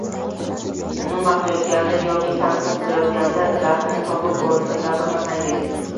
uni maqtayotganda yoki tanqid qilayotganda gapni topib, o‘rnida gapirmasangiz